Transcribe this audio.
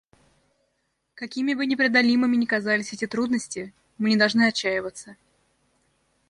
Какими бы непреодолимыми ни казались эти трудности, мы не должны отчаиваться.